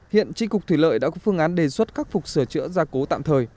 hiện tri cục thủy lợi đã có phương án đề xuất khắc phục sửa chữa gia cố tạm thời